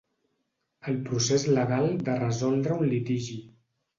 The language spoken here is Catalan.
El procés legal de resoldre un litigi.